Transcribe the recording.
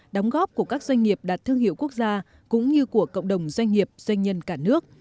đóng góp của các doanh nghiệp đạt thương hiệu quốc gia cũng như của cộng đồng doanh nghiệp doanh nhân cả nước